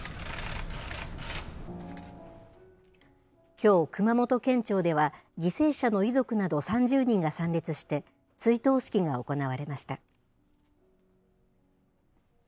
きょう、熊本県庁では、犠牲者の遺族など３０人が参列して、追悼式が行われました。